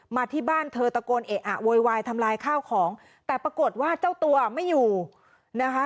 มาที่บ้านเธอตะโกนเอะอะโวยวายทำลายข้าวของแต่ปรากฏว่าเจ้าตัวไม่อยู่นะคะ